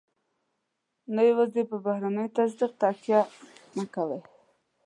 نو يوازې پر بهرني تصديق تکیه مه کوئ.